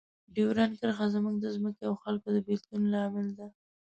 ډیورنډ کرښه زموږ د ځمکو او خلکو د بیلتون لامل ده.